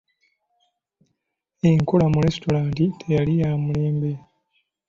Enkola mu lesitulanta teyali yamulembe.